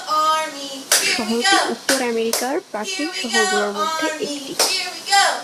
শহরটি উত্তর আমেরিকার প্রাচীন শহরগুলোর মধ্যে একটি।